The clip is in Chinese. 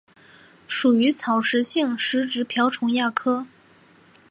属于草食性的食植瓢虫亚科。